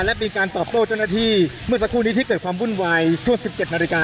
ทางกลุ่มมวลชนทะลุฟ้าทางกลุ่มมวลชนทะลุฟ้า